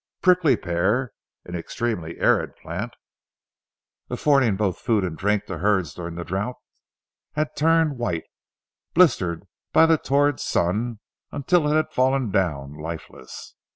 The prickly pear, an extremely arid plant, affording both food and drink to herds during drouths, had turned white, blistered by the torrid sun until it had fallen down, lifeless.